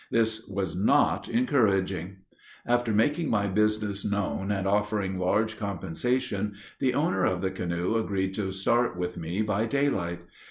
This was not encouraging. After making my business known and offering large compensation, the owner of the canoe agreed to start with me by daylight.